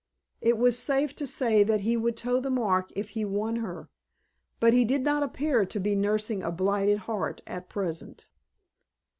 It was safe to say that he would toe the mark if he won her. But he did not appear to be nursing a blighted heart at present.